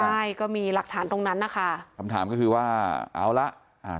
ใช่ก็มีหลักฐานตรงนั้นนะคะคำถามก็คือว่าเอาละอ่า